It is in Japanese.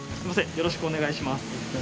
よろしくお願いします